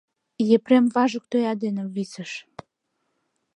Епрем важык тоя дене висыш.